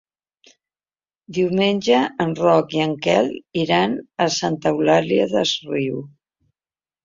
Diumenge en Roc i en Quel iran a Santa Eulària des Riu.